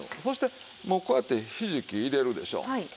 そしてもうこうやってひじき入れるでしょう。